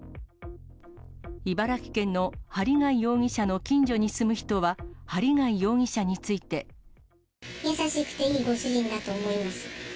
茨城県の針谷容疑者の近所に優しくていいご主人だと思います。